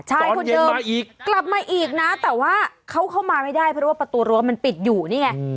คนเดิมกลับมาอีกนะแต่ว่าเขาเข้ามาไม่ได้เพราะว่าประตูรั้วมันปิดอยู่นี่ไง